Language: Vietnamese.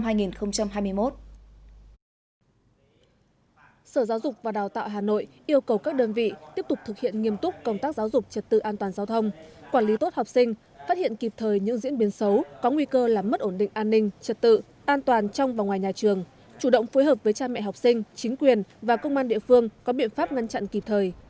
sở giáo dục và đào tạo hà nội yêu cầu các đơn vị tiếp tục thực hiện nghiêm túc công tác giáo dục trật tự an toàn giao thông quản lý tốt học sinh phát hiện kịp thời những diễn biến xấu có nguy cơ làm mất ổn định an ninh trật tự an toàn trong và ngoài nhà trường chủ động phối hợp với cha mẹ học sinh chính quyền và công an địa phương có biện pháp ngăn chặn kịp thời